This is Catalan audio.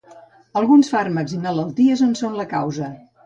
Alguns fàrmacs i malalties en són la causa.